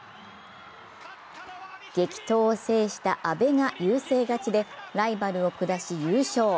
激闘を制した阿部が優勢勝ちでライバルを下し優勝。